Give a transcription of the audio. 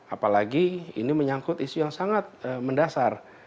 apalagi ini menyangkut isu yang sangat mendasar